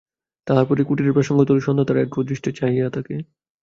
তাহার পরে কুটিরের প্রাঙ্গণতলে সন্ধ্যাতারা একদৃষ্টে চাহিয়া থাকে।